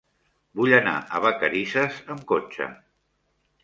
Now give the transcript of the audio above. Vull anar a Vacarisses amb cotxe.